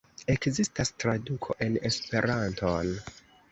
Ekzistas traduko en Esperanton.